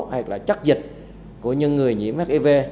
hay là chất dịch của những người nhiễm hiv